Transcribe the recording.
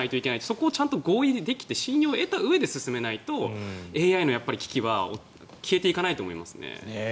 そこをちゃんと合意できて信用を得たうえで進めないとＡＩの危機は消えていかないと思いますね。